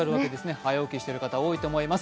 早起きしてる方、多いと思います。